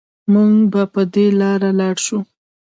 مونږ به په دې لارې لاړ شو